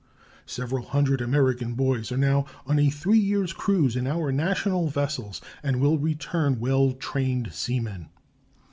Several hundred American boys are now on a three years' cruise in our national vessels and will return well trained seamen.